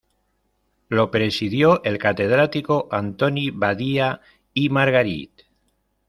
Lo presidió el catedrático Antoni Badia i Margarit.